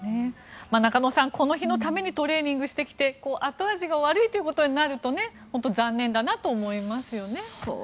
中野さん、この日のためにトレーニングしてきて後味が悪いということになると残念だなと思いますよね。